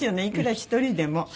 いくら１人でも。